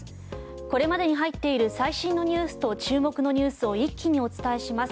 これまでに入っている最新ニュースと注目ニュースを一気にお伝えします。